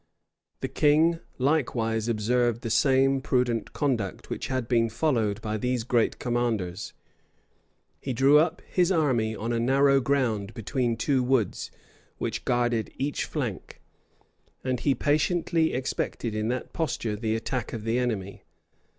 The king likewise observed the same prudent conduct which had been followed by these great commanders: he drew up his army on a narrow ground between two woods, which guarded each flank; and he patiently expected in that posture the attack of the enemy.